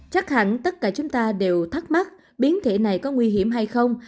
chắc hẳn tất cả chúng ta đều thắc mắc biến thể này có nguy hiểm hay không